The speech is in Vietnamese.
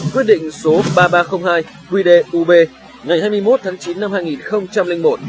quyết định số ba nghìn ba trăm linh hai quy đê ub ngày hai mươi một tháng chín năm hai nghìn một